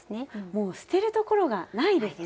もう捨てるところがないですね。